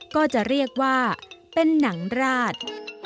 ก็จะเรียกว่าเป็นหนังราช